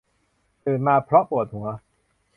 ตื่นมาเพราะปวดหัว